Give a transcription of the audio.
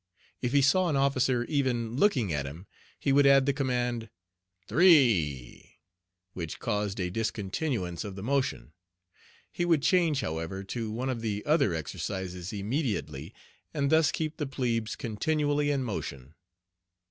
If he saw an officer even looking at him, he would add the command "three," which caused a discontinuance of the motion. He would change, however, to one of the other exercises immediately, and thus keep the plebes continually in motion.